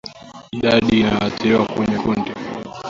Idadi inayoathiriwa kwenye kundi